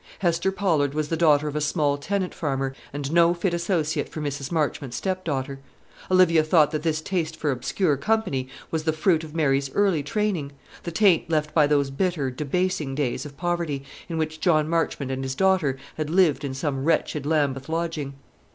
Hester Pollard was the daughter of a small tenant farmer, and no fit associate for Mrs. Marchmont's stepdaughter. Olivia thought that this taste for obscure company was the fruit of Mary's early training the taint left by those bitter, debasing days of poverty, in which John Marchmont and his daughter had lived in some wretched Lambeth lodging.